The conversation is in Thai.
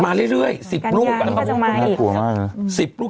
มายังไหว๑๐ลูก